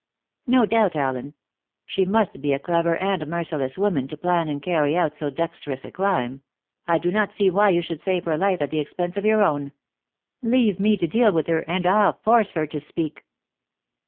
"No doubt, Allen. She must be a clever and merciless woman to plan and carry out so dexterous a crime. I do not see why you should save her life at the expense of your own. Leave me to deal with her, and I'll force her to speak."